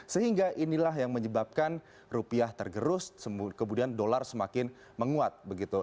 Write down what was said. sehingga inilah yang menyebabkan rupiah tergerus kemudian dolar semakin menguat begitu